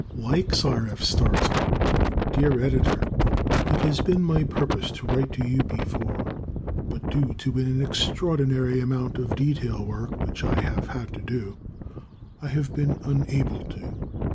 Likes R. F. Starzl Dear Editor: It has been my purpose to write to you before, but due to an extraordinary amount of detail work which I have had to do, I have been unable to.